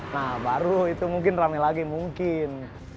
nah baru itu mungkin rame lagi mungkin